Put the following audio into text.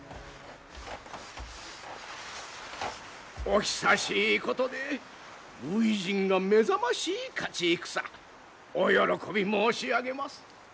お久しいことで初陣が目覚ましい勝ち戦お喜び申し上げます。